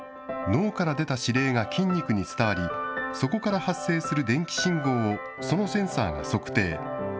脳から出た司令が筋肉に伝わり、そこから発生する電気信号を、そのセンサーが測定。